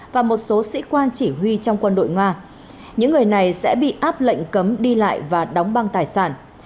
và một số sĩ quan chỉ huy trong quân đội nga những người này sẽ bị áp lệnh cấm đi lại và đóng băng tài sản